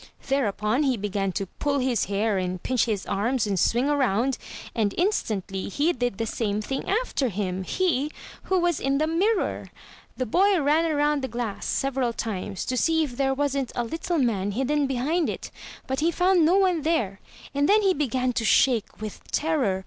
Thereupon, he began to pull his hair and pinch his arms and swing round; and instantly he did the same thing after him; he, who was in the mirror. The boy ran around the glass several times, to see if there wasn't a little man hidden behind it, but he found no one there; and then he began to shake with terror.